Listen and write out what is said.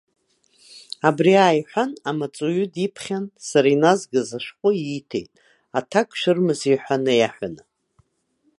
Абри ааиҳәан, амаҵуҩы диԥхьан сара иназгаз ашәҟәы ииҭеит, аҭак шәырмазеи ҳәа наиаҳәаны.